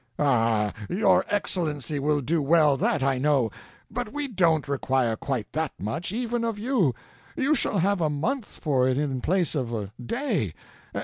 "Ah, your Excellency will do well, that I know; but we don't require quite that much, even of you; you shall have a month for it in place of a day.